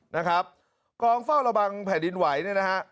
นะครับกองเฝ้าระวังแผ่นดินไหวเนี่ยนะฮะ